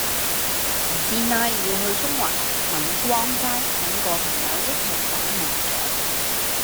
陳師奶要去中環民光街搵個朋友一齊打麻雀